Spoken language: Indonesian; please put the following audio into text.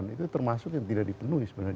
itu termasuk yang tidak dipenuhi sebenarnya